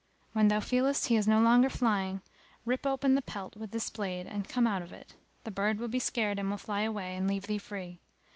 When thou feelest he is no longer flying, rip open the pelt with this blade and come out of it; the bird will be scared and will fly away and leave thee free.